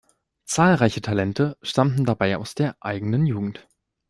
Zahlreiche Talente stammten dabei aus der eigenen Jugend.